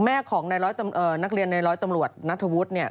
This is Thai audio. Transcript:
แม่ของนักเรียนในร้อยตำรวจนัฐวุธเนี่ย